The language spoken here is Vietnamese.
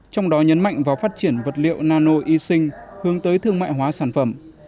trong đó nhấn mạnh vào phát triển vật liệu nano y sinh hướng tới thương mại hóa sản phẩm